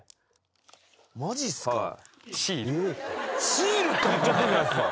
シールって貼っちゃってるじゃないですか。